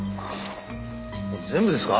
これ全部ですか？